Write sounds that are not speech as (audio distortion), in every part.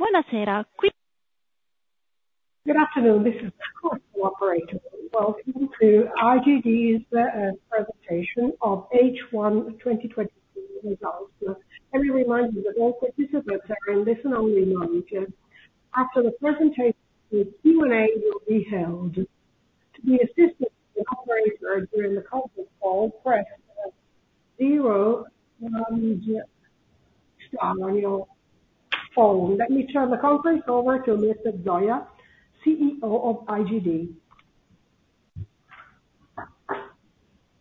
Good afternoon, this is the operator. Welcome to IGD's presentation of H1 2023 results. Let me remind you that all participants are in listen only mode. After the presentation, the Q&A will be held. To be assisted by the operator during the conference call, press zero on your, on your phone. Let me turn the conference over to Mr. Zoia, CEO of IGD.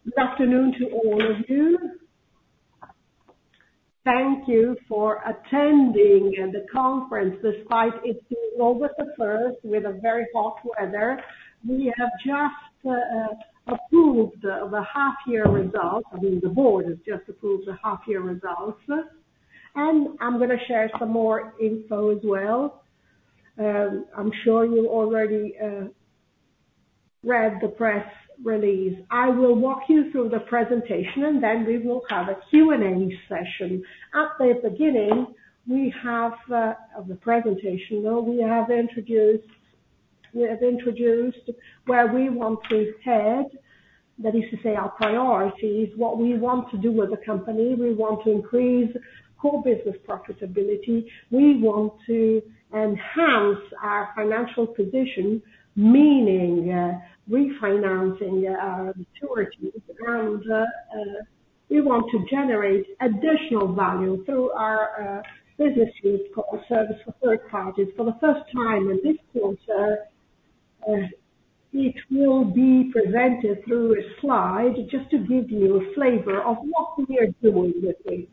Good afternoon to all of you. Thank you for attending the conference, despite it being August the first with a very hot weather. We have just approved the half year results. I mean, the board has just approved the half year results, and I'm going to share some more info as well. I'm sure you already read the press release. I will walk you through the presentation, and then we will have a Q&A session. At the beginning of the presentation, well, we have introduced where we want to head. That is to say our priorities, what we want to do with the company. We want to increase core business profitability. We want to enhance our financial position, meaning refinancing our maturities, and we want to generate additional value through our businesses service for third parties. For the first time in this quarter, it will be presented through a slide, just to give you a flavor of what we are doing with it.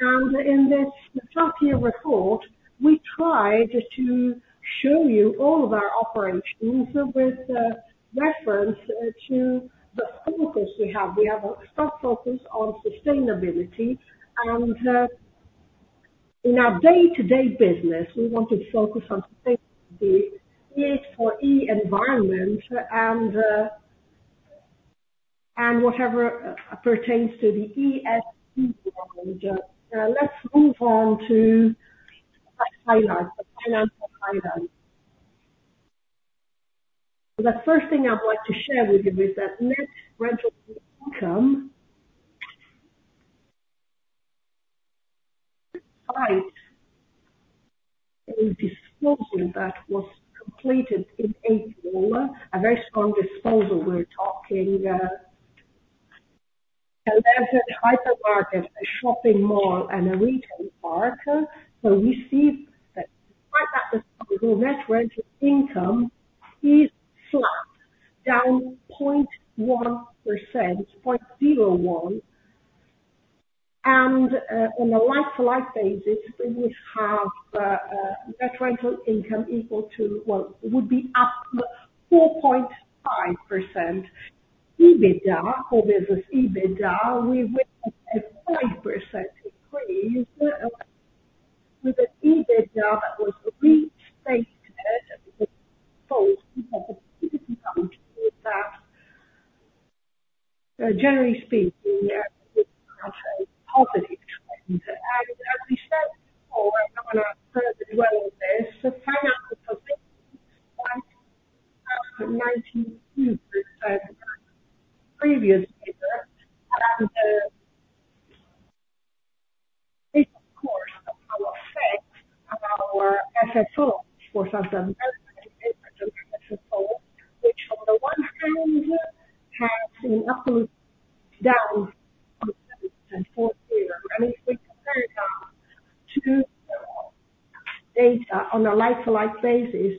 In this half year report, we tried to show you all of our operations with reference to the focus we have. We have a strong focus on sustainability, and, in our day-to-day business, we want to focus on sustainability (audio distortion) for the environment, and, whatever pertains to the ESG. (audio distortion) Let's move on to highlights, the financial highlights. The first thing I'd like to share with you is that net rental income, a disposal that was completed in April, a very strong disposal. We're talking, a hypermarket, a shopping mall, and a retail park. So we see that net rental income is flat, down 0.1%, 0.01. And, on a like-for-like basis, we have, net rental income equal to -- well, it would be up 4.5%. EBITDA, core business EBITDA, we've a 5% increase with an EBITDA that was restated, generally speaking, as a positive trend. As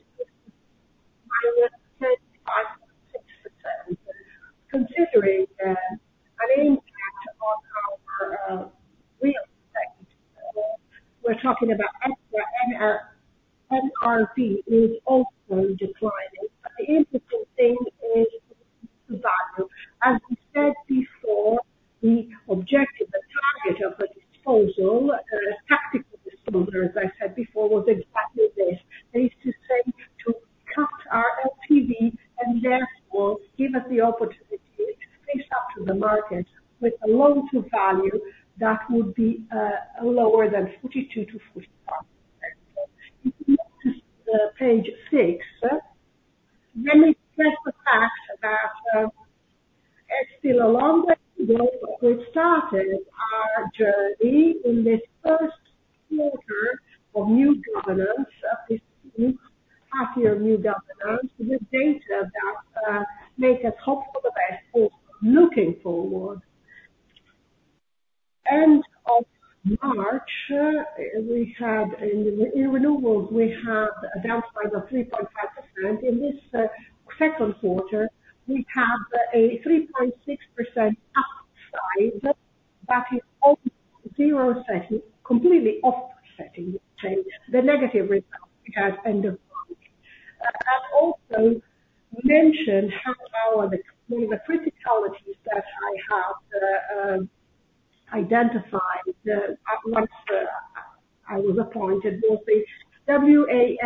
was a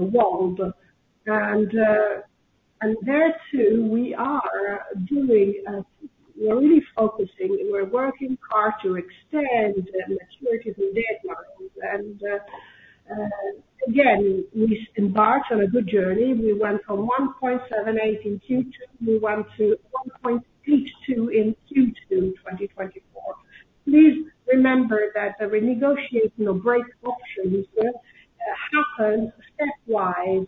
WALB, and there too we are doing, we are really focusing and we're working hard to extend the maturity deadlines. Again, we embarked on a good journey. We went from 1.78 in Q2, we went to 1.82 in Q2 2024. Please remember that the renegotiation or break options will happen stepwise.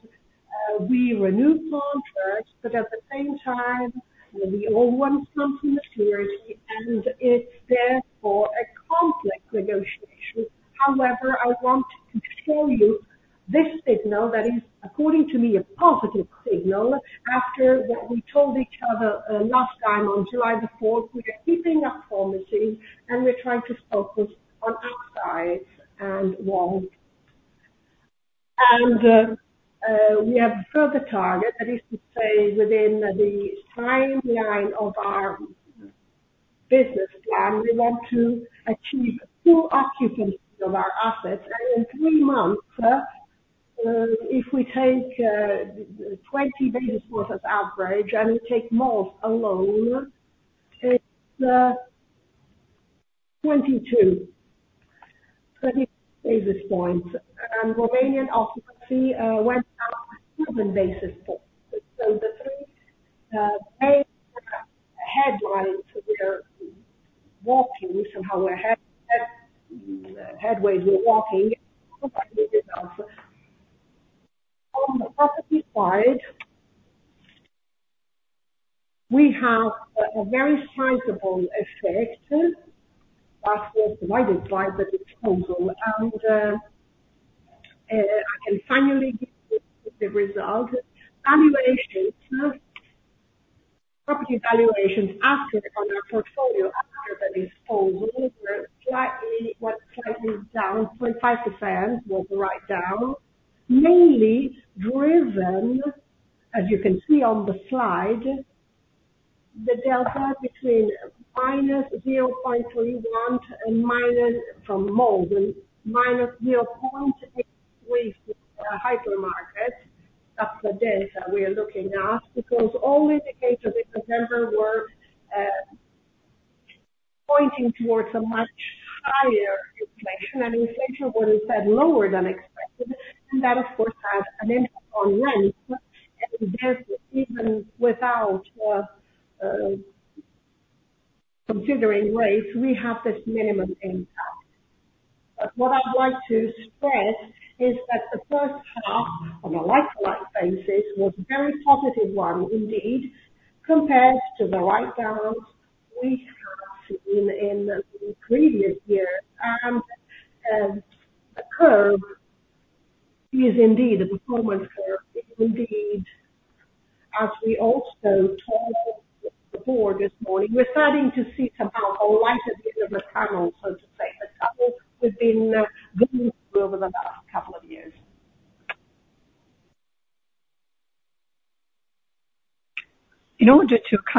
We renew contracts, but at the same time, we all want some maturity, and it's therefore a complex negotiation. However, I want to show you this signal that is, according to me, a positive signal after what we told each other last time on July 4, we are keeping our promises, and we're trying to focus on our side and well. We have a further target, that is to say, within the timeline of our business plan, we want to achieve full occupancy of our assets. And in three months, if we take 20 basis points as average, and we take malls alone, it's 22-20 basis points. And Romanian occupancy went up 7 basis points. So the three main headlines, we are walking, somehow we're headways, we're walking. On the property side, we have a very sizable effect that was divided by the total. And I can finally give you the result. Valuations, property valuations, asset on our portfolio are very small, were slightly, went slightly down, 0.5% was the write down. Mainly driven, as you can see on the slide, the delta between -0.21 and - from malls, -0.8 with hypermarket. That's the data we are looking at, because all indicators in September were pointing towards a much higher inflation, and inflation was then lower than expected, and that of course has an impact on rents. And therefore, even without considering rates, we have this minimum impact. But what I'd like to stress is that the first half, on a like-for-like basis, was a very positive one indeed, compared to the write-downs we have seen in the previous years. And the curve is indeed a performance curve, indeed. As we also told the board this morning, we're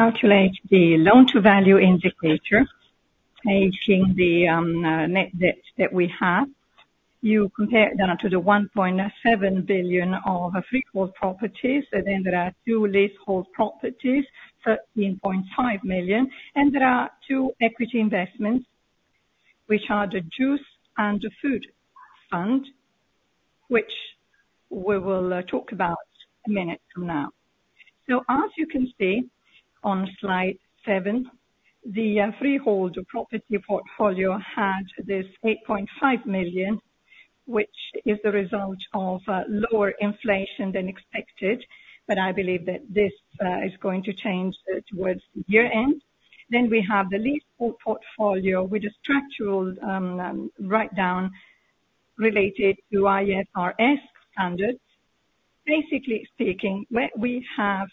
starting to see somehow a light at the end of the tunnel, so to say, the tunnel we've been going through over the last couple of years. In order to calculate the loan-to-value indicator, taking the net debt that we have, you compare that to 1.7 billion of freehold properties, and then there are two leasehold properties, 13.5 million, and there are two equity investments, which are the juice and the food fund, which we will talk about a minute from now. So as you can see on slide seven, the freehold, the property portfolio, had this 8.5 million, which is the result of lower inflation than expected, but I believe that this is going to change towards the year end. Then we have the leasehold portfolio with a structural write-down related to IFRS standards. Basically speaking, where we have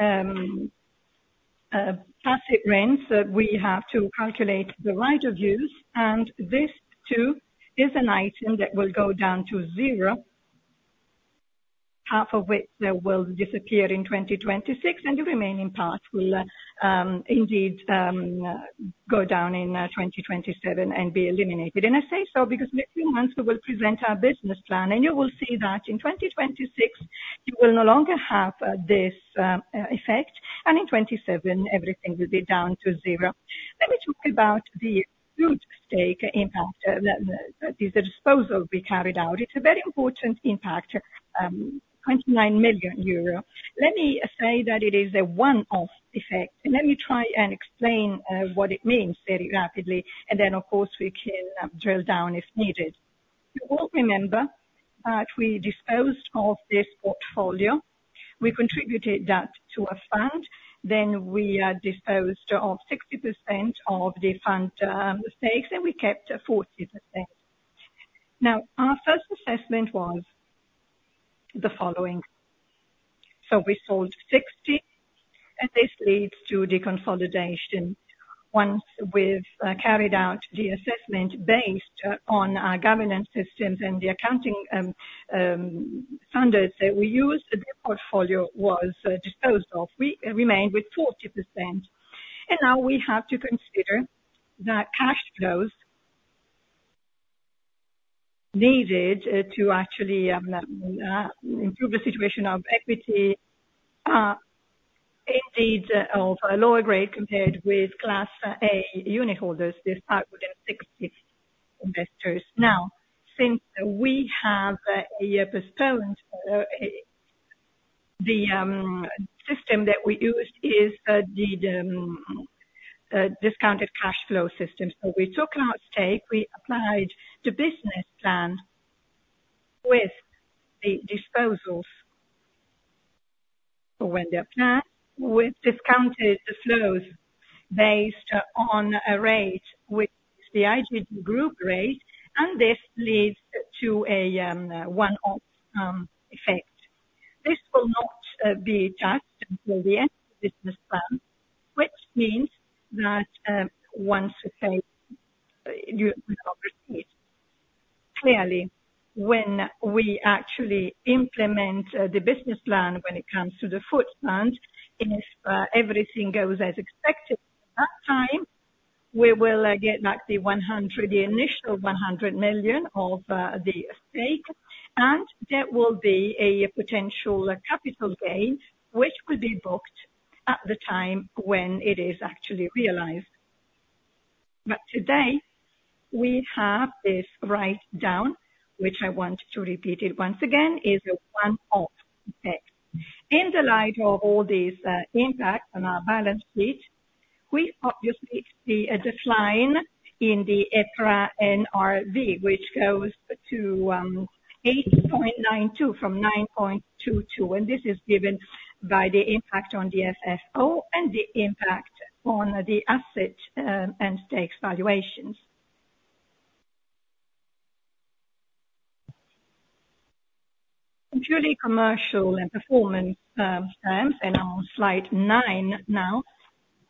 asset rents, we have to calculate the right of use, and this too is an item that will go down to zero, half of which will disappear in 2026, and the remaining part will indeed go down in 2027 and be eliminated. And I say so because in a few months we will present our business plan, and you will see that in 2026, you will no longer have this effect, and in 2027 everything will be down to zero. Let me talk about the goodwill impact that the disposal we carried out. It's a very important impact, 29 million euro. Let me say that it is a one-off effect. Let me try and explain what it means very rapidly, and then of course, we can drill down if needed. You all remember that we disposed of this portfolio. We contributed that to a fund, then we disposed of 60% of the fund stakes, and we kept 40%. Now, our first assessment was the following: so we sold 60, and this leads to deconsolidation. Once we've carried out the assessment based on our governance systems and the accounting standards that we use, the portfolio was disposed of. We remained with 40%, and now we have to consider the cash flows-... needed to actually improve the situation of equity, indeed of a lower grade compared with Class A Unitholders, these are within 60 investors. Now, since we have a postponed, the system that we used is the Discounted Cash Flow system. So we took our stake, we applied the business plan with the disposals. When the plan, we discounted the flows based on a rate with the IGD group rate, and this leads to a one-off effect. This will not be adjusted until the end of the business plan, which means that, once okay. (audio distortion) Clearly, when we actually implement the business plan, when it comes to the food plan, if everything goes as expected, that time we will get like the initial 100 million of the stake, and there will be a potential capital gain, which will be booked at the time when it is actually realized. But today, we have this write down, which I want to repeat it once again, is a one-off effect. In the light of all these impact on our balance sheet, we obviously see a decline in the EPRA NRV, which goes to 8.92 from 9.22, and this is given by the impact on the FFO and the impact on the asset and stakes valuations. Purely commercial and performance terms in our slide 9 now,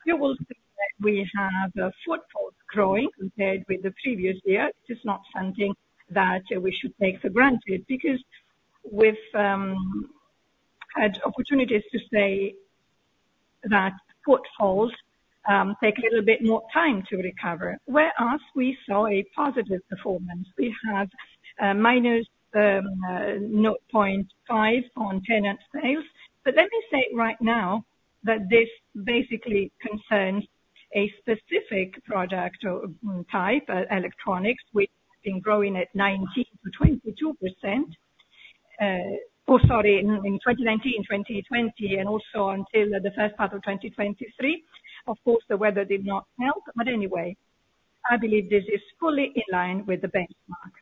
you will see that we have a footfall growing compared with the previous year. This is not something that we should take for granted, because we've had opportunities to say that footfalls take a little bit more time to recover. Whereas we saw a positive performance, we have -0.5 on tenant sales. But let me say right now that this basically concerns a specific product or type, electronics, which has been growing at 19%-22%. In 2019, 2020, and also until the first part of 2023. Of course, the weather did not help, but anyway, I believe this is fully in line with the benchmark.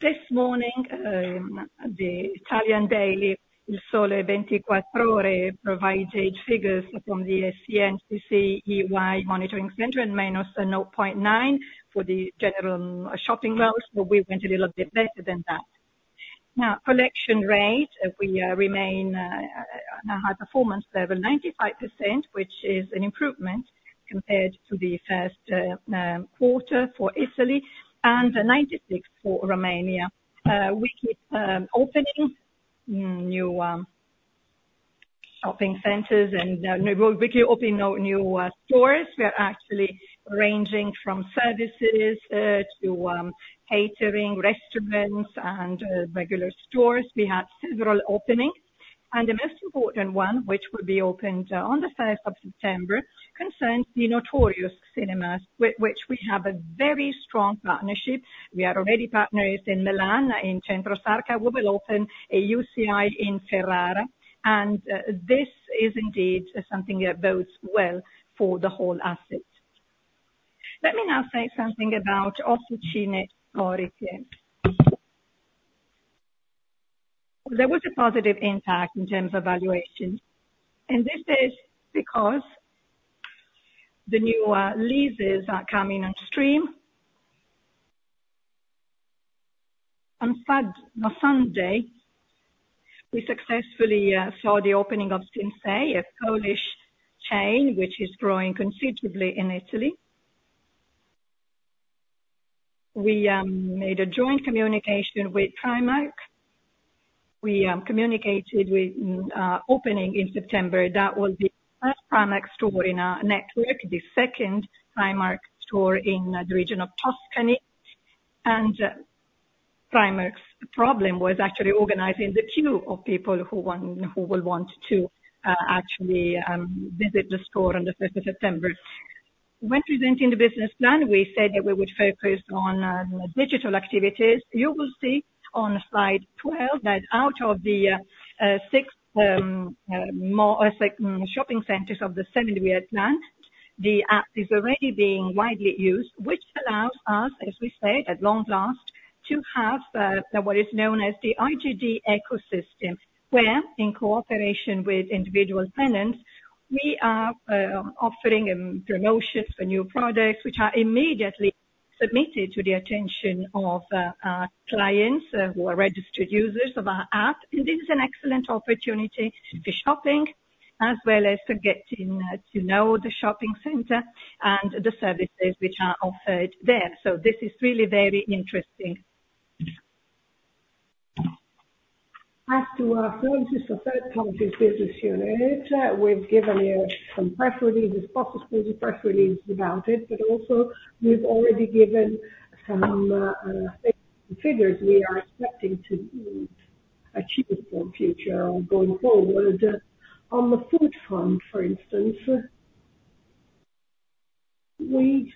This morning, the Italian daily, Il Sole 24 Ore, provided figures from the CNCC EY Monitoring Center, and -0.9% for the general shopping malls, but we went a little bit better than that. Now, collection rate, we remain on a high performance level, 95%, which is an improvement compared to the Q1 for Italy and 96% for Romania. We keep opening new shopping centers and we keep opening new stores. We are actually ranging from services to catering, restaurants, and regular stores. We had several openings, and the most important one, which will be opened on the fifth of September, concerns the Notorious Cinemas, which we have a very strong partnership. We are already partners in Milan, in Centro Sarca. We will open a UCI in Ferrara, and this is indeed something that bodes well for the whole asset. Let me now say something about Officine Storiche. There was a positive impact in terms of valuation, and this is because the new leases are coming on stream. On Sunday, we successfully saw the opening of Sinsay, a Polish chain which is growing considerably in Italy. We made a joint communication with Primark. We communicated with opening in September. That was the first Primark store in our network, the second Primark store in the region of Tuscany. And Primark's problem was actually organizing the queue of people who will want to actually visit the store on the fifth of September. When presenting the business plan, we said that we would focus on digital activities. You will see on slide 12 that out of the six shopping centers of the seven-year plan, the app is already being widely used, which allows us, as we said, at long last, to have the what is known as the IGD ecosystem, where in cooperation with individual tenants, we are offering promotions for new products, which are immediately submitted to the attention of our clients who are registered users of our app. And this is an excellent opportunity for shopping, as well as for getting to know the shopping center and the services which are offered there. So this is really very interesting.... As to our services for third parties business unit, we've given you some press releases, possible press release about it, but also we've already given some figures we are expecting to achieve for future going forward. On the food front, for instance, we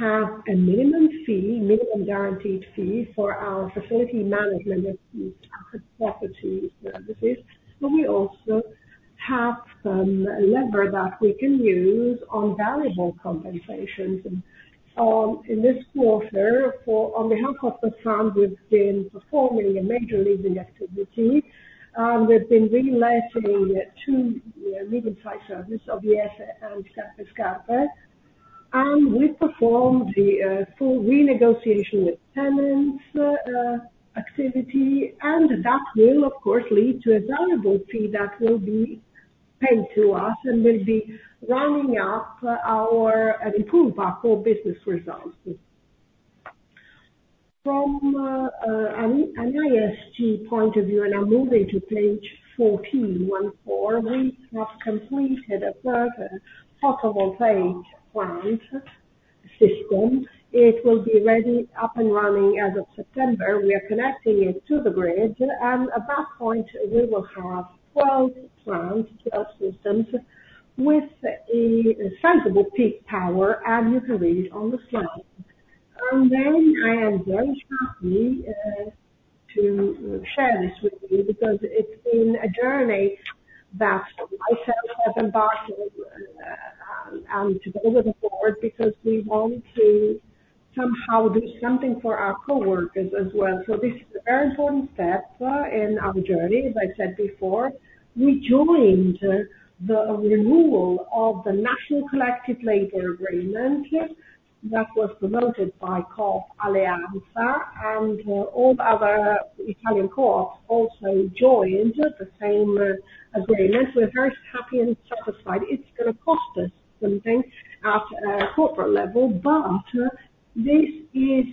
have a minimum fee, minimum guaranteed fee for our facility management properties services, but we also have some lever that we can use on variable compensations. In this quarter, on behalf of the fund, we've been performing a major leasing activity, and we've been re-leasing two lease sites: OVS and Scarpe&Scarpe. And we performed the full renegotiation with tenants activity, and that will of course lead to a valuable fee that will be paid to us and will be rounding up our improvement for business results. From an IGD point of view, and I'm moving to page 14, we have completed a further photovoltaic plant system. It will be ready, up and running as of September. We are connecting it to the grid, and at that point, we will have 12 plant systems with a sensible peak power, and you can read it on the slide. And then I am very happy to share this with you, because it's been a journey that myself have embarked on, and together with the board, because we want to somehow do something for our coworkers as well. So this is a very important step in our journey. As I said before, we joined the renewal of the national collective labor agreement that was promoted by Coop Alleanza, and all the other Italian co-ops also joined the same agreement. We're very happy and satisfied. It's gonna cost us something at a corporate level, but this is,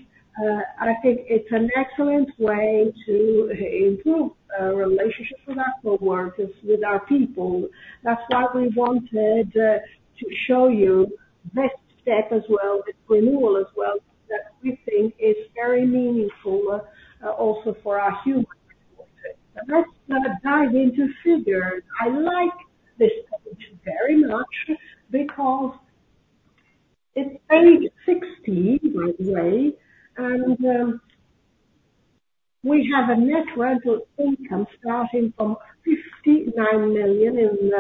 I think it's an excellent way to improve, relationships with our coworkers, with our people. That's why we wanted, to show you this step as well, this renewal as well, that we think is very meaningful, also for our human. Let's, dive into figures. I like this page very much, because it's page 16, by the way, and, we have a net rental income starting from 59 million in,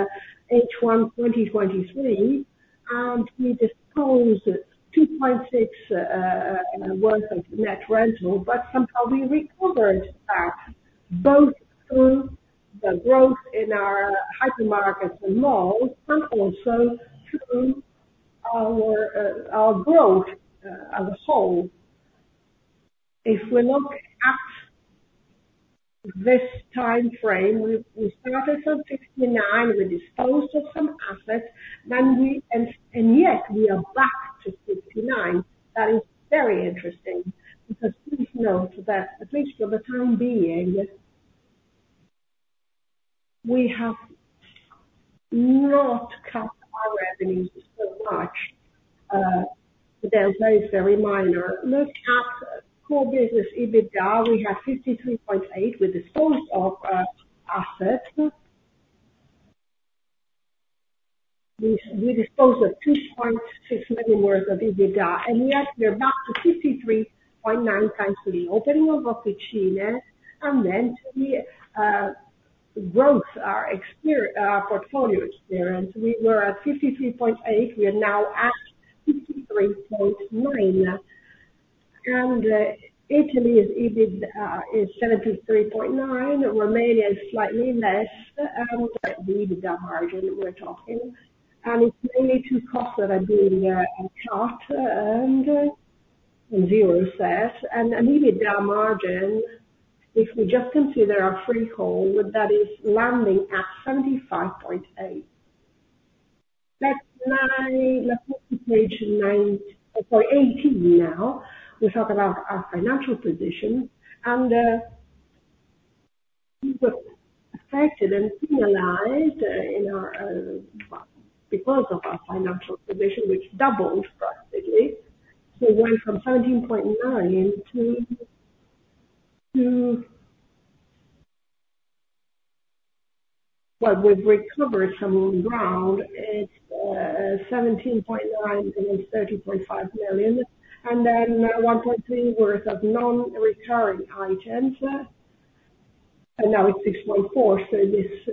H1 2023, and we disposed 2.6 million worth of net rental, but somehow we recovered that both through the growth in our hypermarket mall and also through our, our growth as a whole. If we look at this time frame, we started from 69, we disposed of some assets, then we and yet we are back to 69. That is very interesting, because please note that at least for the time being, we have not cut our revenues so much. The downside is very minor. Look at core business, EBITDA, we have 53.8. We disposed of assets. We disposed of 2.6 million worth of EBITDA, and yet we are back to 53.9 thanks to the opening of Officine, and then we grew our experiential portfolio. We were at 53.8, we are now at 53.9. And Italy's EBITDA is 73.9. Romania is slightly less, but EBITDA margin, we're talking, and it's mainly two costs that are being in chart and zero set. EBITDA margin, if we just consider our freehold, that is landing at 75.8%. Let's now look to page 9, point 18 now. We talk about our financial position, and we were affected and penalized in our because of our financial position, which doubled practically. So it went from 17.9 to... Well, we've recovered some ground. It's 17.9 against 30.5 million, and then 1.3 were of non-recurring items, and now it's 6.4. So this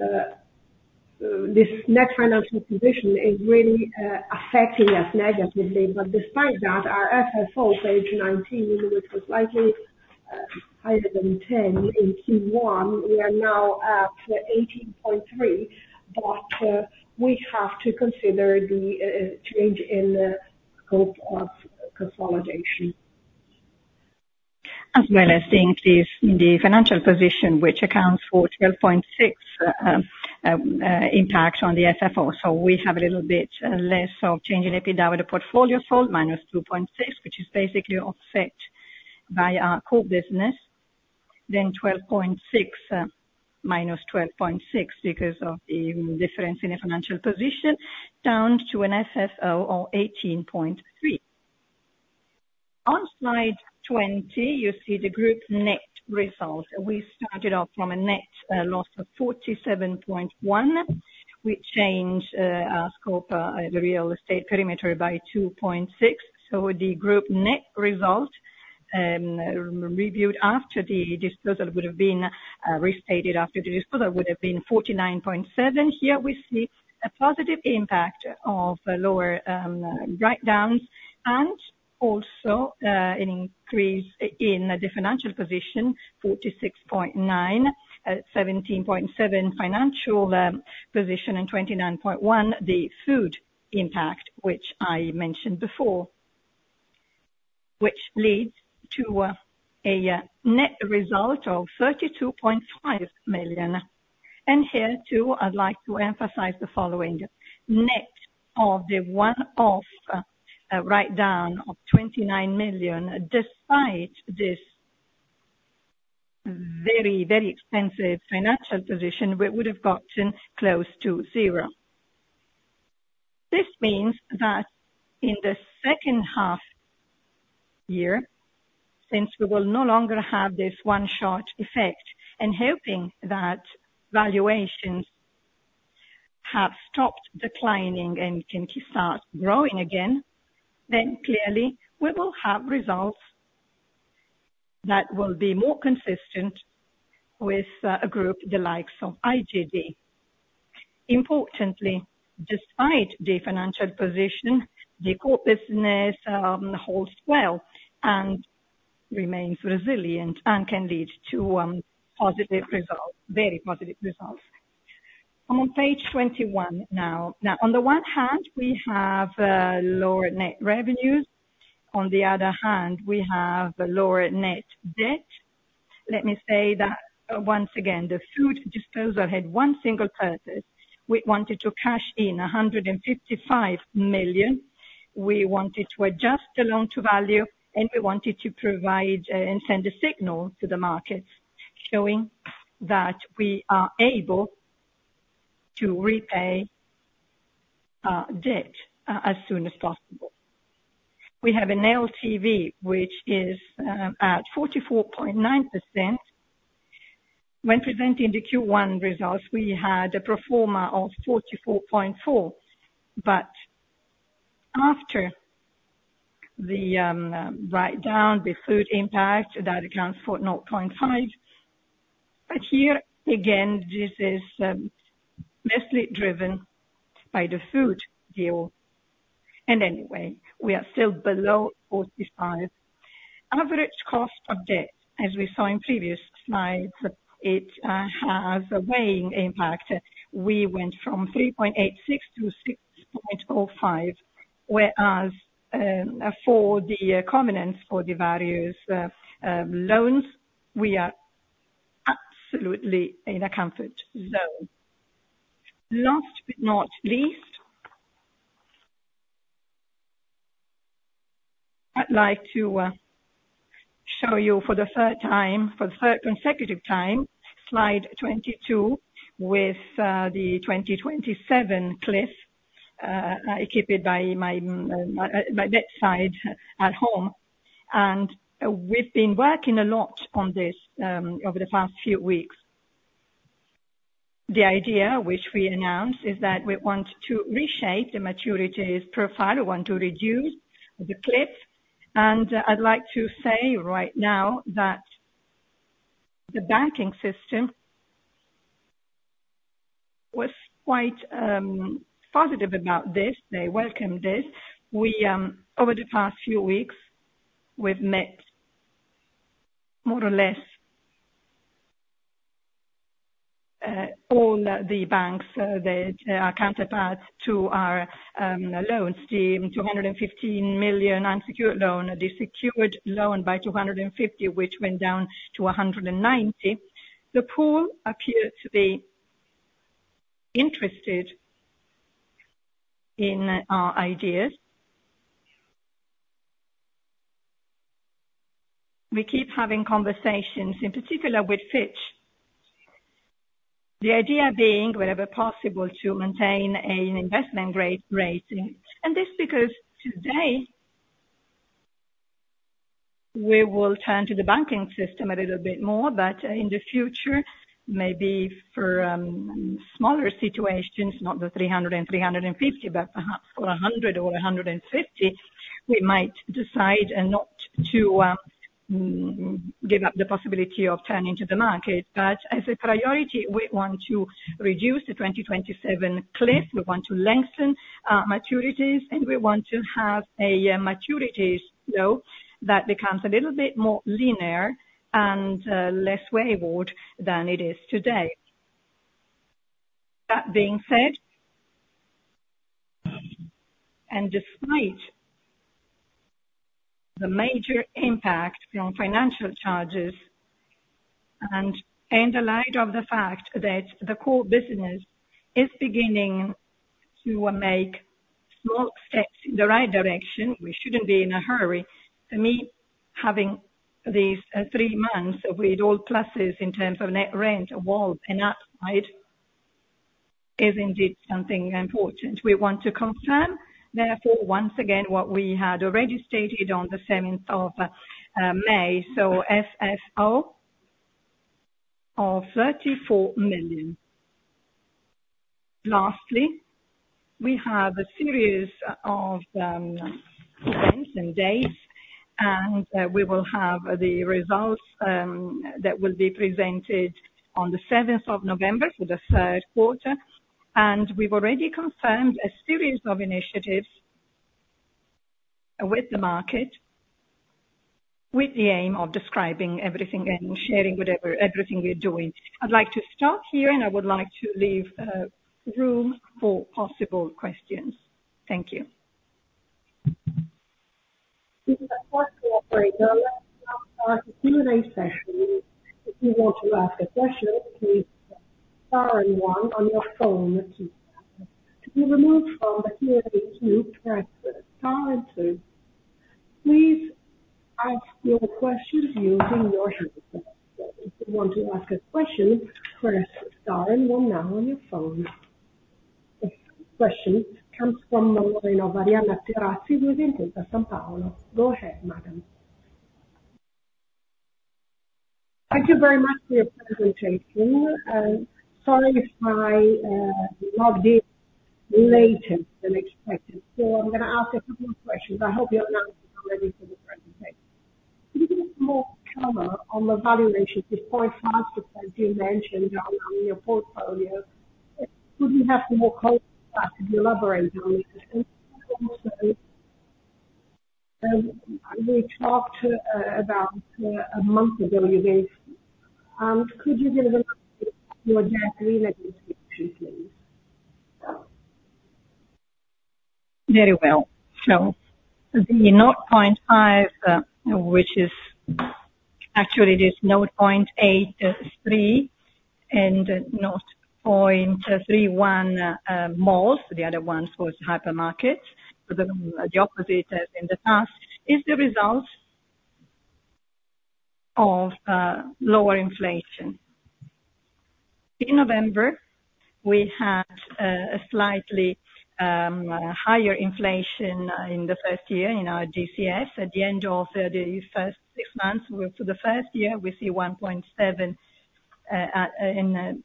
this net financial position is really affecting us negatively. But despite that, our FFO, page 19, which was slightly higher than 10 in Q1, we are now at 18.3, but we have to consider the change in the scope of consolidation. As well as the increase in the financial position, which accounts for 12.6 impact on the FFO. So we have a little bit less of change in EBITDA with the portfolio sold, -2.6, which is basically offset by our core business, then 12.6, -12.6, because of the difference in the financial position, down to an FFO of 18.3. On slide 20, you see the group net results. We started off from a net loss of 47.1. We changed our scope, the real estate perimeter by 2.6. So the group net result, reviewed after the disposal would have been, restated after the disposal, would have been 49.7. Here we see a positive impact of lower, write-downs and also, an increase in the financial position, 46.9 million, 17.7 million financial position, and 29.1 million, the food impact, which I mentioned before, which leads to a net result of 32.5 million. And here, too, I'd like to emphasize the following: net of the one-off, write-down of 29 million, despite this very, very expensive financial position, we would have gotten close to zero. This means that in the second half year, since we will no longer have this one-off effect, and hoping that valuations have stopped declining and can start growing again, then clearly we will have results that will be more consistent with, a group the likes of IGD. Importantly, despite the financial position, the core business holds well and remains resilient and can lead to positive results, very positive results. I'm on page 21 now. Now, on the one hand, we have lower net revenues. On the other hand, we have a lower net debt. Let me say that once again, the food disposal had one single purpose: we wanted to cash in 155 million, we wanted to adjust the loan-to-value, and we wanted to provide and send a signal to the market showing that we are able to repay debt as soon as possible. We have an LTV, which is at 44.9%. When presenting the Q1 results, we had a pro forma of 44.4, but after the write-down, the food impact, that accounts for 0.5. But here, again, this is mostly driven by the food deal. And anyway, we are still below 45. Average cost of debt, as we saw in previous slides, it has a weighing impact. We went from 3.86 to 6.05, whereas, for the covenants for the various loans, we are absolutely in a comfort zone. Last but not least, I'd like to show you for the third time, for the third consecutive time, slide 22, with the 2027 cliff. I keep it by my bedside at home. And we've been working a lot on this over the past few weeks. The idea which we announced is that we want to reshape the maturities profile, we want to reduce the cliff, and I'd like to say right now that the banking system was quite positive about this. They welcomed this. We over the past few weeks, we've met more or less all the banks that are counterparts to our loans, the 215 million unsecured loan, the secured loan by 250 million, which went down to 190 million. The pool appears to be interested in our ideas. We keep having conversations, in particular with Fitch. The idea being, wherever possible, to maintain an investment grade rating, and this because today we will turn to the banking system a little bit more, but in the future, maybe for smaller situations, not the 300 and 350, but perhaps a 100 or a 150, we might decide and not to give up the possibility of turning to the market. But as a priority, we want to reduce the 2027 cliff, we want to lengthen maturities, and we want to have a maturities, though, that becomes a little bit more linear and less wayward than it is today. That being said, and despite the major impact on financial charges, and in the light of the fact that the core business is beginning, we will make small steps in the right direction. We shouldn't be in a hurry. For me, having these three months with all classes in terms of net rent, WALB and outside, is indeed something important. We want to confirm, therefore, once again, what we had already stated on the seventh of May, so FFO of EUR 34 million. Lastly, we have a series of events and dates, and we will have the results that will be presented on the seventh of November for the Q3. We've already confirmed a series of initiatives with the market, with the aim of describing everything and sharing everything we're doing. I'd like to stop here, and I would like to leave room for possible questions. Thank you. This is the first operator. Let's now start the Q&A session. If you want to ask a question, please star and one on your phone to be removed from the Q&A queue, press star and two. Please ask your questions using your hands. If you want to ask a question, press star and one now on your phone. This question comes from Lorena Varriale with Intesa Sanpaolo. Go ahead, madam. Thank you very much for your presentation, and sorry if I logged in later than expected. So I'm going to ask a couple of questions. I hope you're now ready for the presentation. Can you give us more color on the valuation, the 0.5% you mentioned on, on your portfolio? Could you have some more color about, could you elaborate on this? Also, we talked about a month ago, you gave, could you give us your debt refinancing, please? Very well. So the 0.5, which is actually it is 0.83 and 0.31, malls. The other one was hypermarket, but the, the opposite as in the past, is the result of, lower inflation. In November, we had, a slightly, higher inflation in the first year in our DCF. At the end of the first six months for the first year, we see 1.7, in,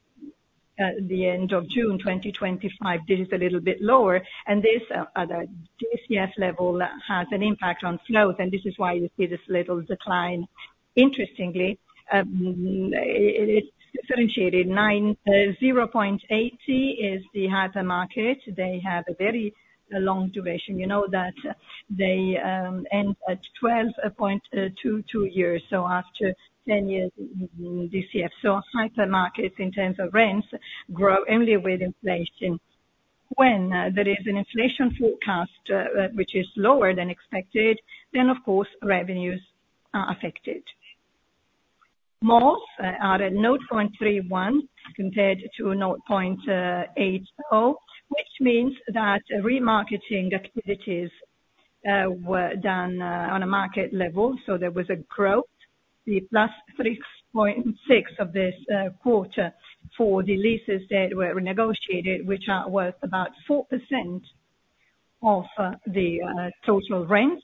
at the end of June 2025. This is a little bit lower, and this at a DCF level, has an impact on flows, and this is why you see this little decline. Interestingly, it's differentiated 0.9, 0.80 is the hypermarket. They have a very long duration, you know, that they end at 12.22 years, so after 10 years DCF. So hypermarkets, in terms of rents, grow only with inflation. When there is an inflation forecast which is lower than expected, then of course, revenues are affected. Malls are at 0.31 compared to 0.80, which means that remarketing activities were done on a market level, so there was a growth. The +3.6 of this quarter for the leases that were renegotiated, which are worth about 4% of the total rent.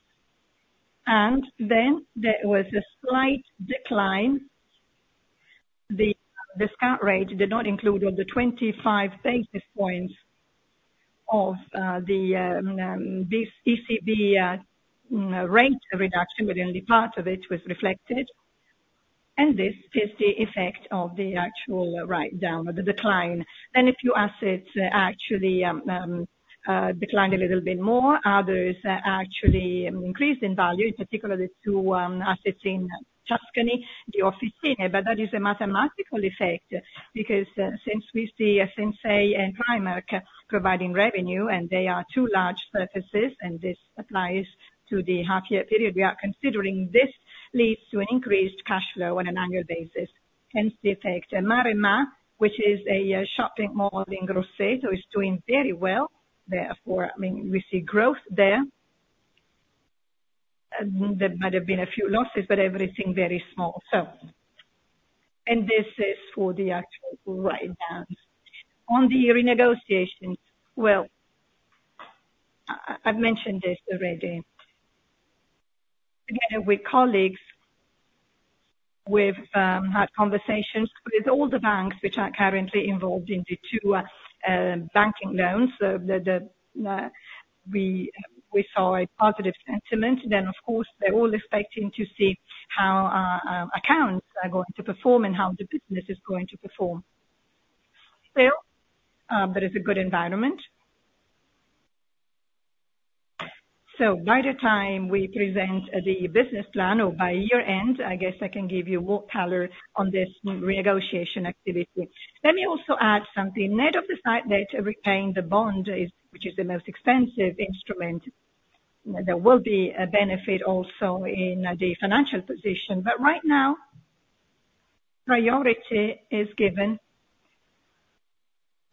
And then there was a slight decline. The discount rate did not include all the 25 basis points of the ECB rate reduction, but only part of it was reflected, and this is the effect of the actual write down, the decline. Then a few assets actually declined a little bit more. Others actually increased in value, in particular the two assets in Tuscany, the Officine. But that is a mathematical effect because since we see a Sinsay and Primark providing revenue and they are two large surfaces, and this applies to the half year period, we are considering this leads to an increased cash flow on an annual basis, hence the effect. Maremà, which is a shopping mall in Grosseto, is doing very well. Therefore, I mean, we see growth there. There might have been a few losses, but everything very small. So... This is for the actual write down. On the renegotiations, well, I've mentioned this already. Together with colleagues, we've had conversations with all the banks which are currently involved in the two banking loans. We saw a positive sentiment. Then of course, they're all expecting to see how our accounts are going to perform and how the business is going to perform. Well, but it's a good environment. So by the time we present the business plan or by year end, I guess I can give you more color on this negotiation activity. Let me also add something. Net of the fact that repaying the bond is, which is the most expensive instrument, there will be a benefit also in the financial position, but right now-... Priority is given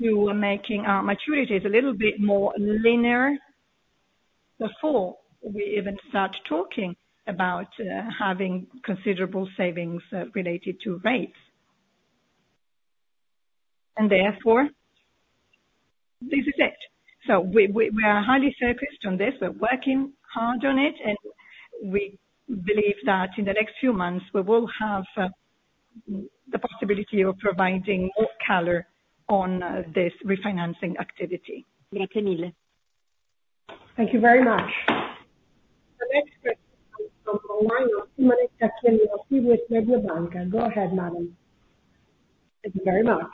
to making our maturities a little bit more linear before we even start talking about, having considerable savings, related to rates. And therefore, this is it. So we, we, we are highly focused on this. We're working hard on it, and we believe that in the next few months, we will have, the possibility of providing more color on, this refinancing activity. Thank you very much. The next question comes from online, Simonetta Chiriotti with Mediobanca. Go ahead, madam. Thank you very much.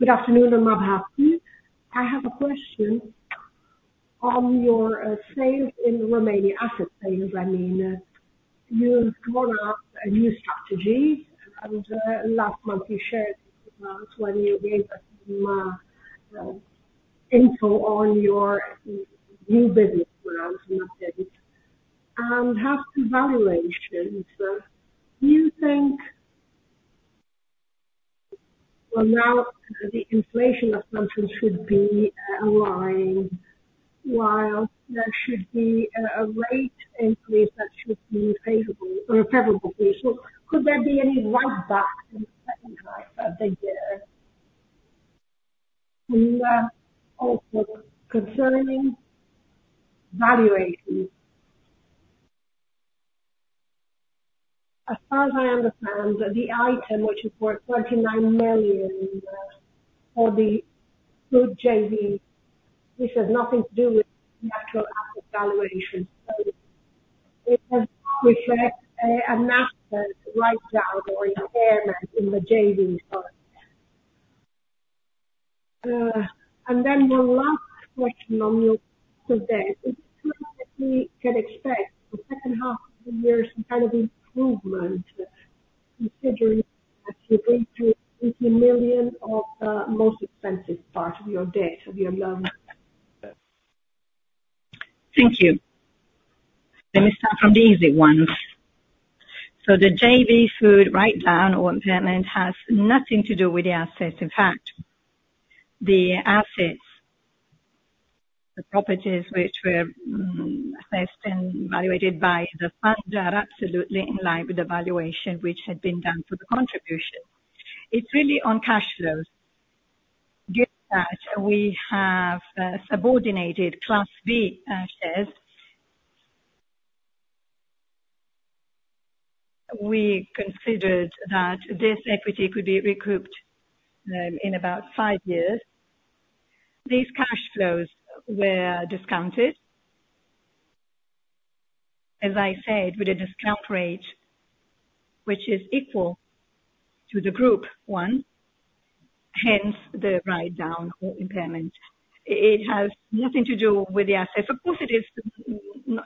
Good afternoon, everyone. I have a question on your sales in Romania, asset sales, I mean. You've drawn up a new strategy, and last month you shared with us when you gave us info on your new business plans, and I have two valuations. Do you think, well, now the inflation assumptions should be aligned, while there should be a rate increase that should be favorable or favorable for you? So could there be any write back in second half of the year? And also concerning valuation, as far as I understand, the item which is worth 29 million for the food JV, this has nothing to do with net asset valuation. So it has an asset write down or impairment in the JV product. And then the last question on your today, is if we can expect the second half of the year some kind of improvement, considering that you're going through 50 million of, most expensive part of your debt, of your loan? Thank you. Let me start from the easy ones. So the JV food write down or impairment has nothing to do with the assets. In fact, the assets, the properties which were assessed and evaluated by the fund, are absolutely in line with the valuation which had been done for the contribution. It's really on cash flows, given that we have subordinated Class B assets. We considered that this equity could be recouped in about five years. These cash flows were discounted, as I said, with a discount rate, which is equal to the Group one, hence the write down or impairment. It has nothing to do with the asset. Of course, it is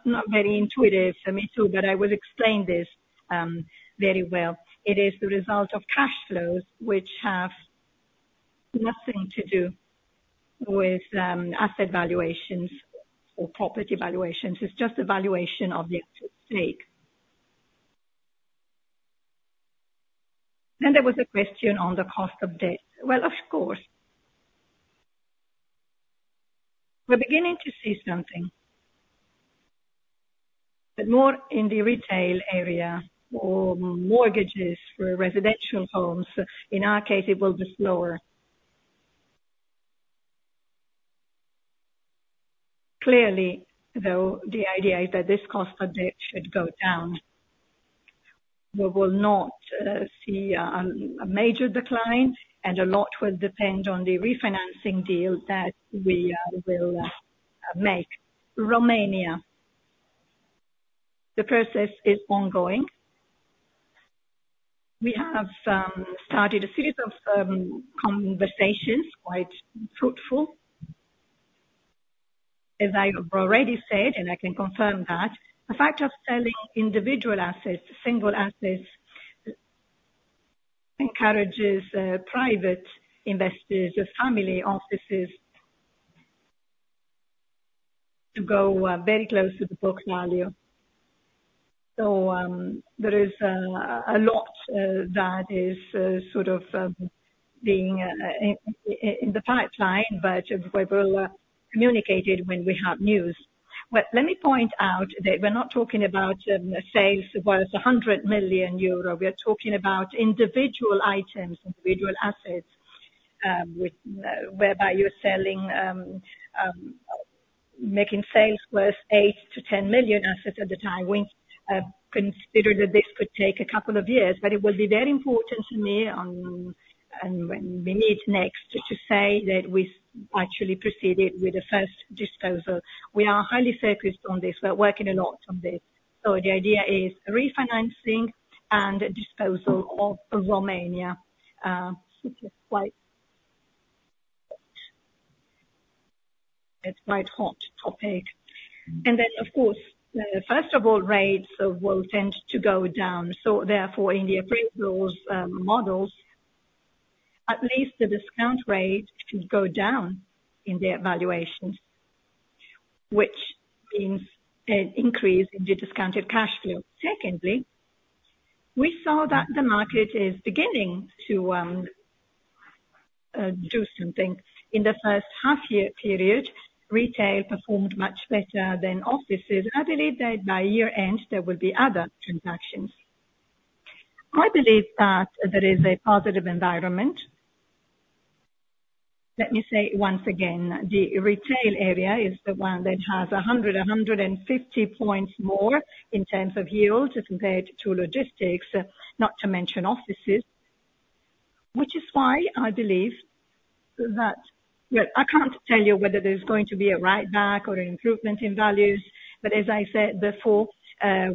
not very intuitive for me, too, but I will explain this very well. It is the result of cash flows which have nothing to do with asset valuations or property valuations. It's just a valuation of the stake. Then there was a question on the cost of debt. Well, of course, we're beginning to see something, but more in the retail area or mortgages for residential homes. In our case, it will be slower. Clearly, though, the idea is that this cost of debt should go down. We will not see a major decline, and a lot will depend on the refinancing deal that we will make. Romania, the process is ongoing. We have started a series of conversations, quite fruitful, as I have already said, and I can confirm that the fact of selling individual assets, single assets, encourages private investors or family offices to go very close to the book value. So, there is a lot that is sort of being in the pipeline, but we will communicate it when we have news. But let me point out that we're not talking about sales worth 100 million euro. We are talking about individual items, individual assets with whereby you're selling making sales worth 8 million-10 million assets at a time. We consider that this could take a couple of years, but it will be very important to me on when we meet next, to say that we actually proceeded with the first disposal. We are highly focused on this. We're working a lot on this. So the idea is refinancing and disposal of Romania. It's quite hot topic. And then, of course, first of all, rates will tend to go down, so therefore, in the appraisals, models, at least the discount rate should go down in the valuations, which means an increase in the discounted cash flow. Secondly, we saw that the market is beginning to do something. In the first half year period, retail performed much better than offices. I believe that by year end, there will be other transactions. I believe that there is a positive environment. Let me say once again, the retail area is the one that has 150 points more in terms of yields as compared to logistics, not to mention offices. Which is why I believe that—well, I can't tell you whether there's going to be a write-back or an improvement in values, but as I said before,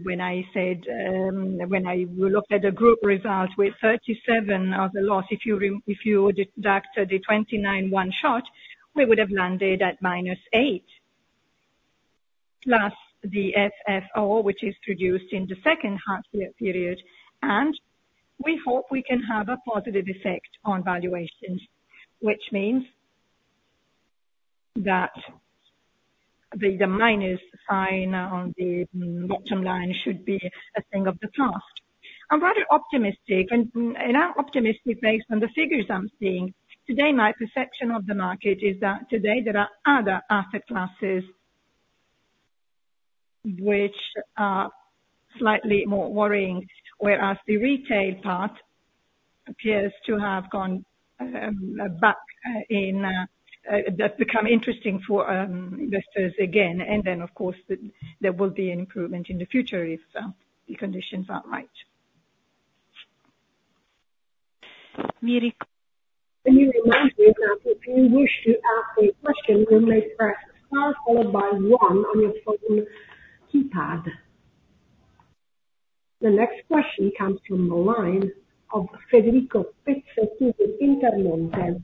when I said, when we looked at the group results with 37 million loss, if you deduct the 29 million one-shot, we would have landed at -8. Plus the FFO, which is produced in the second half-year period, and we hope we can have a positive effect on valuations, which means that the minus sign on the bottom line should be a thing of the past. I'm rather optimistic, and I'm optimistic based on the figures I'm seeing. Today, my perception of the market is that today there are other asset classes which are slightly more worrying, whereas the retail part appears to have gone back in, that's become interesting for investors again. And then, of course, there will be an improvement in the future if the conditions are right. Let me remind you that if you wish to ask a question, you may press star followed by one on your phone keypad. The next question comes from the line of Federico Pezzetti with Intermonte.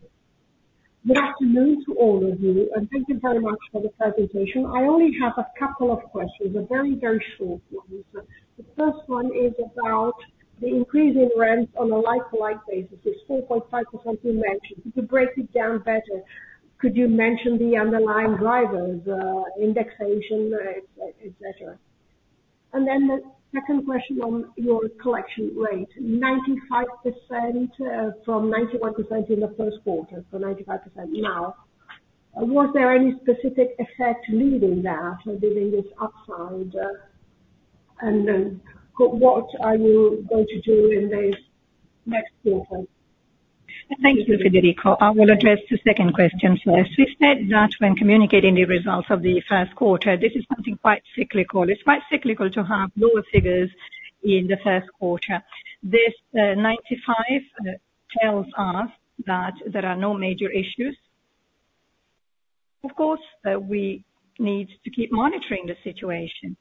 Good afternoon to all of you, and thank you very much for the presentation. I only have a couple of questions, a very, very short one. So the first one is about the increase in rent on a like-for-like basis. It's 4.5% you mentioned. Could you break it down better? Could you mention the underlying drivers, indexation, et cetera? And then the second question on your collection rate, 95%, from 91% in the Q1 to 95% now. Was there any specific effect leading that or giving this upside, and then what are you going to do in the next quarter? Thank you, Federico. I will address the second question first. We said that when communicating the results of the Q1, this is something quite cyclical. It's quite cyclical to have lower figures in the Q1. This 95 tells us that there are no major issues. Of course, we need to keep monitoring the situation.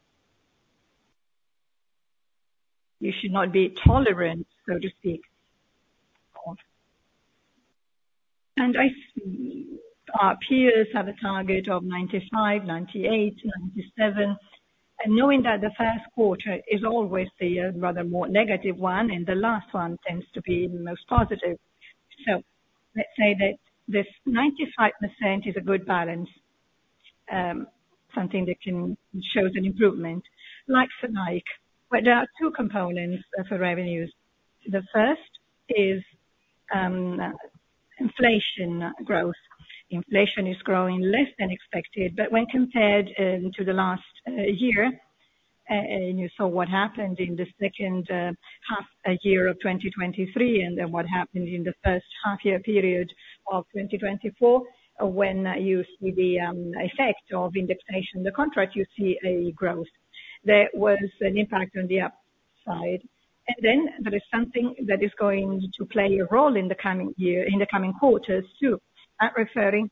You should not be tolerant, so to speak. And our peers have a target of 95, 98, 97, and knowing that the Q1 is always the rather more negative one, and the last one tends to be the most positive. So let's say that this 95% is a good balance, something that can shows an improvement, like for like. But there are two components for revenues. The first is inflation growth. Inflation is growing less than expected, but when compared to the last year, and you saw what happened in the second half year of 2023, and then what happened in the first half year period of 2024, when you see the effect of indexation, the contract, you see a growth. There was an impact on the upside. And then there is something that is going to play a role in the coming year, in the coming quarters, too. I'm referring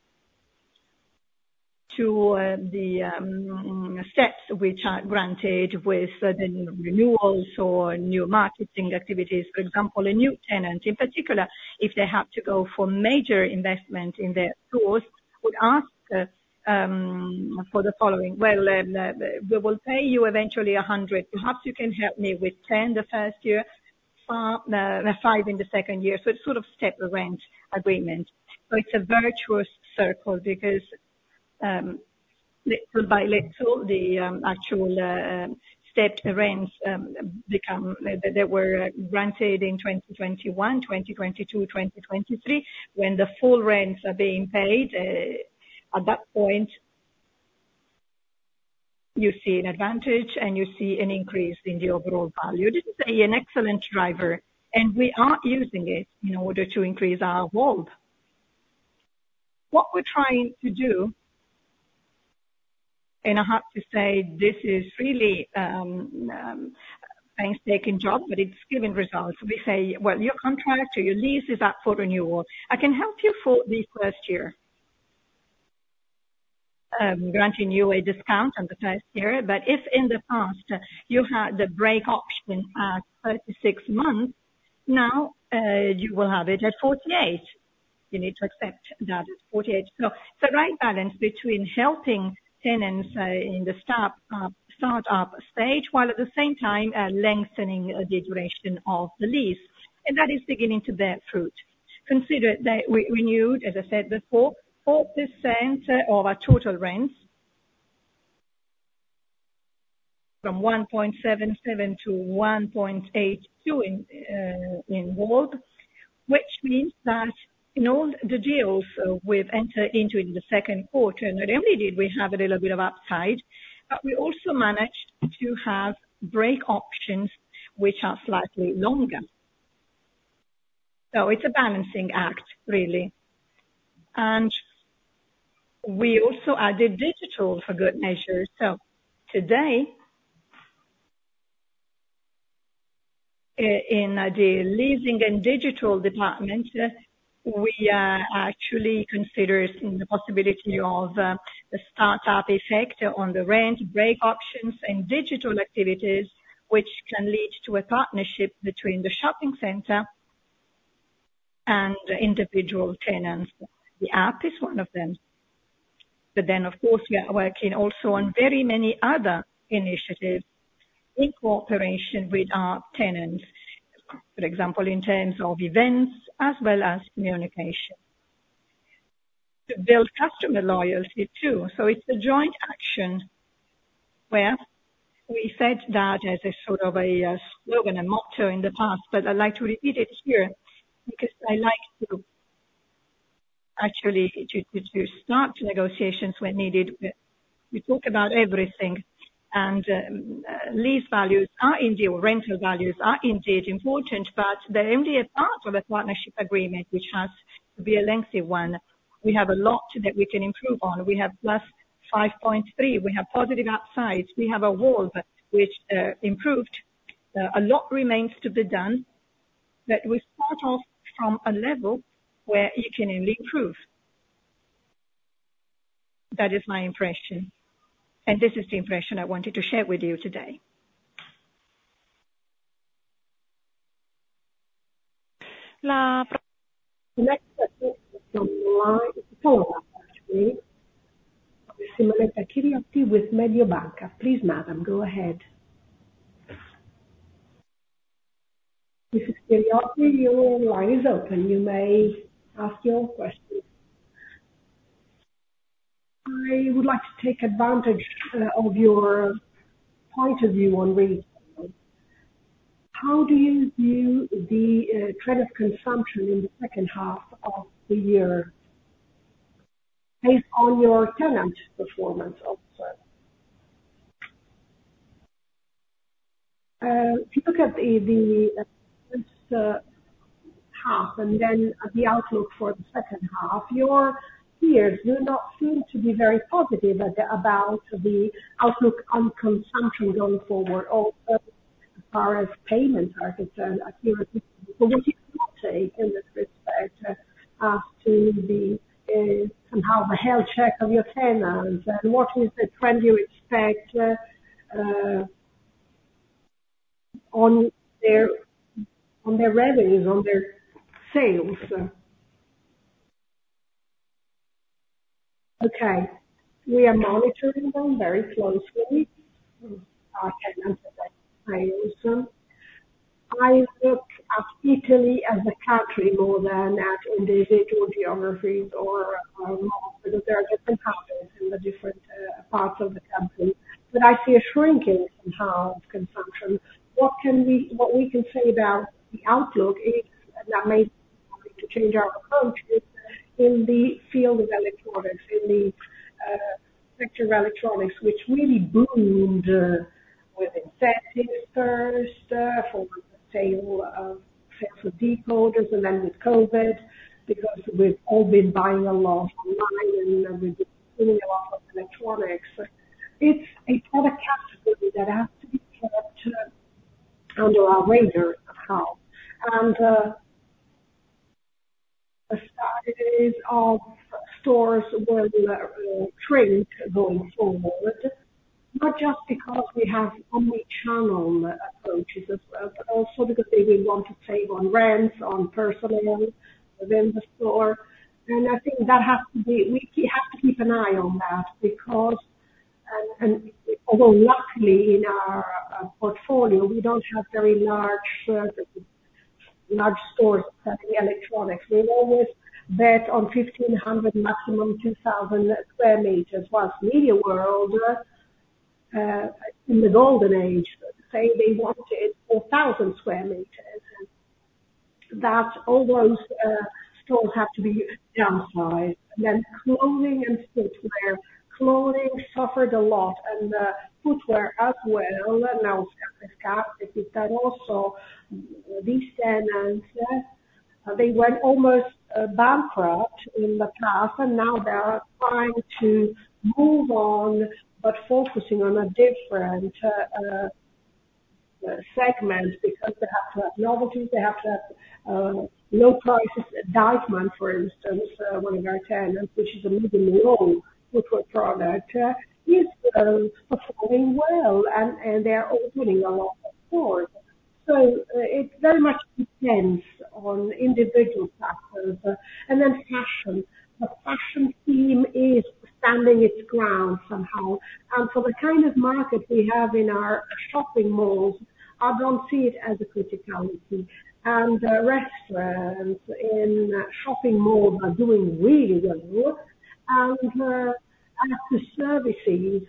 to the steps which are granted with the renewals or new marketing activities. For example, a new tenant, in particular, if they have to go for major investment in their stores, would ask for the following: "Well, we will pay you eventually 100. Perhaps you can help me with 10 the first year, 5 in the second year." So it's sort of step rent agreement. So it's a virtuous circle because, little by little, the actual step rents become. They were granted in 2021, 2022, 2023, when the full rents are being paid, at that point, you see an advantage and you see an increase in the overall value. This is an excellent driver, and we are using it in order to increase our worth. What we're trying to do, and I have to say, this is really a painstaking job, but it's giving results. We say: "Well, your contract or your lease is up for renewal. I can help you for the first year, granting you a discount on the first year. But if in the past you had the break option at 36 months, now, you will have it at 48. You need to accept that it's 48." So the right balance between helping tenants, in the start, start-up stage, while at the same time, lengthening, the duration of the lease. And that is beginning to bear fruit.... consider that we renewed, as I said before, 4% of our total rents from 1.77 to 1.82 in, in world, which means that in all the deals we've entered into in the Q2, not only did we have a little bit of upside, but we also managed to have break options which are slightly longer. So it's a balancing act, really. And we also added digital for good measure. So today, in the leasing and digital department, we are actually considering the possibility of, the start up effect on the rent break options and digital activities, which can lead to a partnership between the shopping center and individual tenants. The app is one of them. But then, of course, we are working also on very many other initiatives in cooperation with our tenants, for example, in terms of events as well as communication. To build customer loyalty, too. So it's a joint action where we said that as a sort of a slogan and motto in the past, but I'd like to repeat it here, because I like actually to start negotiations when needed. We talk about everything, and lease values are indeed, rental values are indeed important, but they're only a part of a partnership agreement, which has to be a lengthy one. We have a lot that we can improve on. We have +5.3, we have positive upsides. We have a WALB which improved. A lot remains to be done, that we start off from a level where you can only improve. That is my impression, and this is the impression I wanted to share with you today. Now, the next question from line four, actually, Simonetta Chiriotti with Mediobanca. Please, madam, go ahead. Mrs. Chiriotti, your line is open. You may ask your question. I would like to take advantage of your point of view on retail. How do you view the credit consumption in the second half of the year, based on your tenant performance also? If you look at the first half and then the outlook for the second half, your peers do not seem to be very positive about the outlook on consumption going forward or as far as payments are concerned. So what do you in this respect, as to somehow the health check of your tenants, and what is the trend you expect on their revenues, on their sales? Okay. We are monitoring them very closely, our tenants, I assume. I look at Italy as a country more than at individual geographies or malls, because there are different countries in the different parts of the country, but I see a shrinking somehow of consumption. What we can say about the outlook is, and that may to change our approach, is in the field of electronics, in the picture of electronics, which really boomed with incentives first for the sale of set of decoders and then with COVID, because we've all been buying a lot online and we've been seeing a lot of electronics. It's a product category that has to be kept under our radar somehow. The size of stores will shrink going forward, not just because we have only channel approaches as well, but also because they will want to save on rents, on personnel within the store. I think that has to be—we have to keep an eye on that, because, and although luckily in our portfolio, we don't have very large large stores, like in electronics. We always bet on 1,500, maximum 2,000 sq meters, whilst MediaWorld, in the golden age, say they wanted 4,000 sq meters. That all those stores have to be downsized. Then clothing and footwear. Clothing suffered a lot, and footwear as well. Now, Scarpe&Scarpe, also these tenants, they went almost bankrupt in the past, and now they are trying to move on, but focusing on a different segments, because they have to have novelty, they have to have low prices. Deichmann, for instance, one of our tenants, which is a medium low footwear product, is performing well and they are opening a lot of stores. So, it very much depends on individual factors. Then fashion. The fashion team is standing its ground somehow. For the kind of market we have in our shopping malls, I don't see it as a criticality, and restaurants in shopping malls are doing really well. As to services,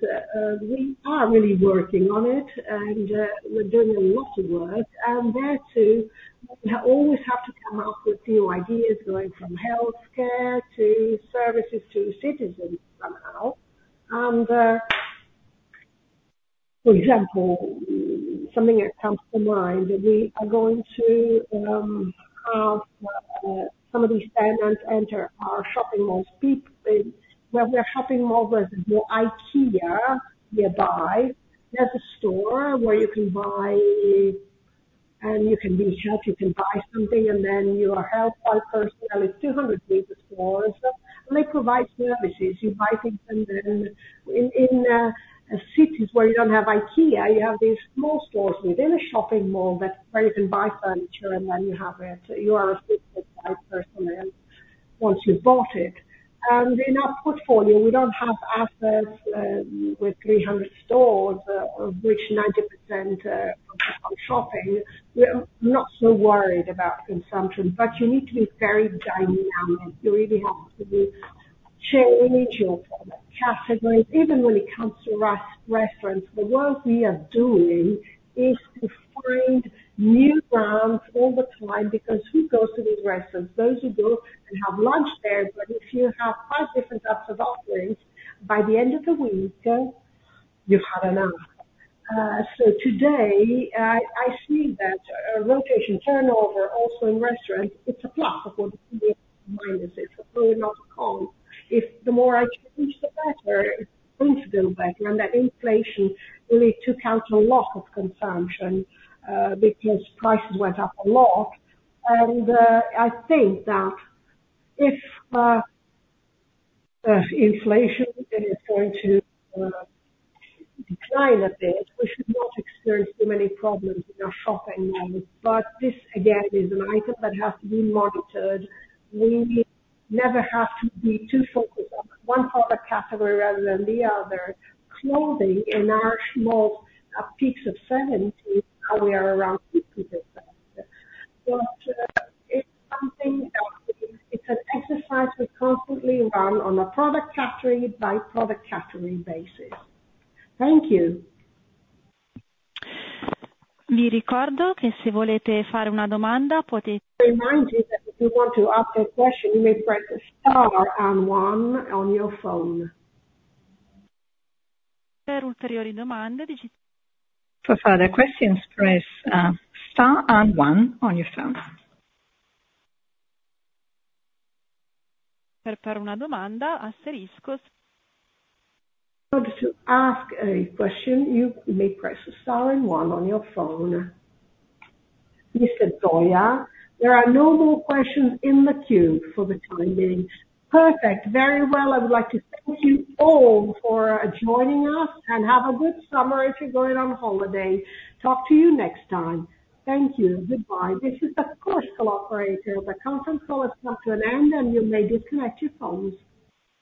we are really working on it, and we're doing a lot of work. There, too, you always have to come up with new ideas, going from healthcare to services to citizens somehow. For example, something that comes to mind, we are going to have some of these tenants enter our shopping malls, where we are shopping malls with no IKEA nearby. There's a store where you can buy, and you can be helped, you can buy something, and then you are helped by personnel. It's 200-meter stores, and they provide services. You buy things, and then in cities where you don't have IKEA, you have these small stores within a shopping mall, where you can buy furniture, and then you have it. You are assisted by personnel once you've bought it. And in our portfolio, we don't have assets with 300 stores, of which 90% are shopping. We are not so worried about consumption, but you need to be very dynamic. You really have to change your product categories. Even when it comes to restaurants, the work we are doing is to find new brands all the time, because who goes to these restaurants? Those who go and have lunch there, but if you have five different types of offerings, by the end of the week, you've had enough. So today, I see that rotation turnover, also in restaurants, it's a plus for the minus. It's really not a con. The more I change, the better, going to go back when that inflation really took out a lot of consumption, because prices went up a lot. And I think that if inflation is going to decline a bit, we should not experience too many problems in our shopping malls. But this, again, is an item that has to be monitored. We never have to be too focused on one product category rather than the other. Clothing in our malls, at peaks of 70, now we are around 50%. But, it's something that it's an exercise we constantly run on a product category by product category basis. Thank you. Remind you that if you want to ask a question, you may press star and one on your phone. For further questions, press star and one on your phone. In order to ask a question, you may press star and one on your phone. Mr. Zoia, there are no more questions in the queue for the time being. Perfect. Very well. I would like to thank you all for joining us, and have a good summer if you're going on holiday. Talk to you next time. Thank you. Goodbye. This is, of course, the operator. The conference call has come to an end, and you may disconnect your phones.